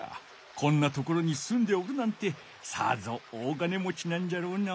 こんなところにすんでおるなんてさぞ大金もちなんじゃろうな。